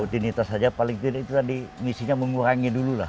identitas saja paling tidak itu tadi misinya mengurangi dulu lah